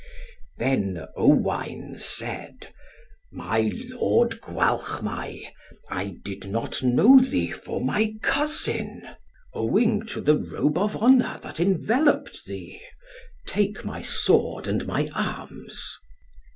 Then Owain said, "My lord Gwalchmai, I did not know thee for my cousin, owing to the robe of honour, that enveloped thee; take my sword and my arms."